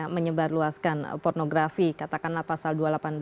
menyebarluaskan pornografi katakanlah pasal dua ratus delapan puluh dua